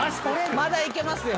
まだいけますよ。